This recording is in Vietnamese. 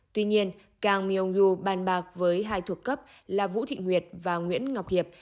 tuy nhiên kang myong yoo bàn bạc với hai thuộc cấp là vũ thị nguyệt và nguyễn ngọc hiệp